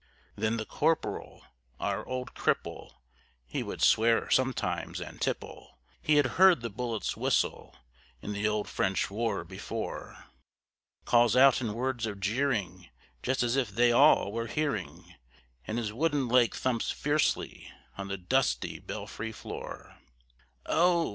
Then the Corporal, our old cripple (he would swear sometimes and tipple), He had heard the bullets whistle (in the old French war) before, Calls out in words of jeering, just as if they all were hearing, And his wooden leg thumps fiercely on the dusty belfry floor: "Oh!